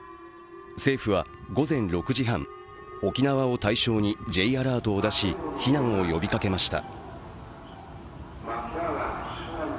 政府は午前６時半、沖縄を対象にＪアラートを出し避難を呼びかけました。